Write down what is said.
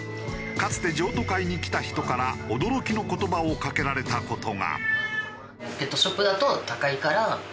かつて譲渡会に来た人から驚きの言葉をかけられた事が。